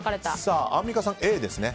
アンミカさん、Ａですね。